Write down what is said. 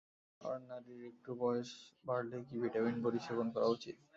আর নারীর একটু বয়স বাড়লেই কি ভিটামিন বড়ি সেবন করা উচিত?